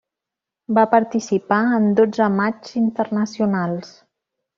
Va participar en dotze matxs internacionals.